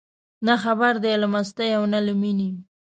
نه خبر دي له مستۍ او نه له مینې